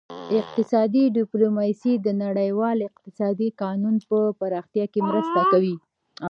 اقتصادي ډیپلوماسي د نړیوال اقتصادي قانون په پراختیا کې مرسته کوي